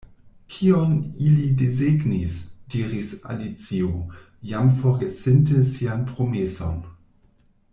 "Kion ili desegnis?" diris Alicio, jam forgesinte sian promeson.